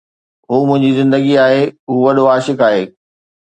هو منهنجي زندگي آهي، هو وڏو عاشق آهي